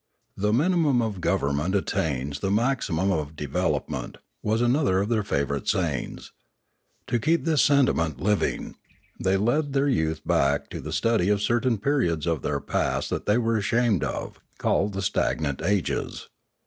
"The minimum of government attains the maximum of development,' ' was another of their favourite sayings. To keep this sentiment living, they led their youth back to the study of certain periods of their past that they were ashamed of, called the stag nant ages.